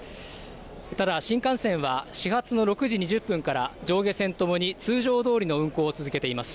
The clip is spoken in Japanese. ただ新幹線は始発の６時２０分から上下線ともに通常どおりの運行を続けています。